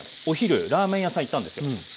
お昼ラーメン屋さん行ったんですよ。